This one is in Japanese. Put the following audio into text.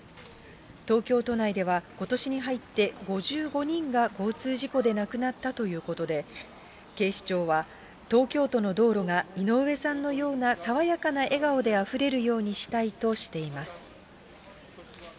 東京都内では、ことしに入って５５人が交通事故で亡くなったということで、警視庁は東京都の道路が井上さんのような爽やかな笑顔であふれるようにしたいとしています。